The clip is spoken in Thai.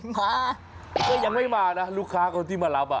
ก็ยังไม่มานะลูกค้าเขาที่มารับ